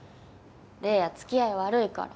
玲矢付き合い悪いから。